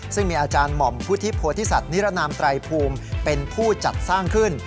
ซึ่งมีอาจารย์หม่อมพุทธิโพธิสัตว์นิรนามไตรภูมิเป็นผู้จัดสร้างขึ้น